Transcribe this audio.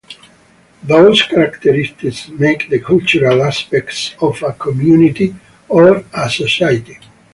Those characteristics make the cultural aspects of a community or a society.